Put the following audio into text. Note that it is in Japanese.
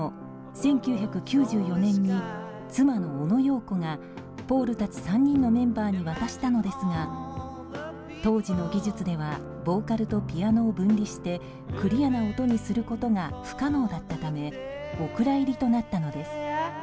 １９９４年に妻のオノ・ヨーコがポールたち３人のメンバーに渡したのですが当時の技術ではボーカルとピアノを分離してクリアな音にすることが不可能だったためお蔵入りとなったのです。